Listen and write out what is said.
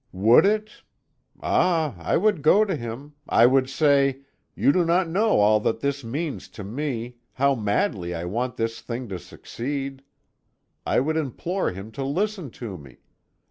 "Would it? Ah! I would go to him; I would say: You do not know all that this means to me how madly I want this thing to succeed. I would implore him to listen to me.